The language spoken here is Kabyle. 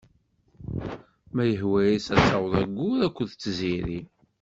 Ma yehwa-as ad taweḍ aggur akked tziri.